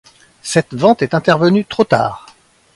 Cette vente est intervenue trop tard.